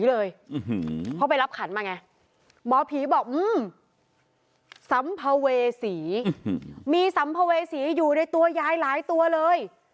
เพราะไปรับขันมาไงหมอผีบอกสัมภเวษีมีสัมภเวษีอยู่ในตัวยายหลายตัวเลย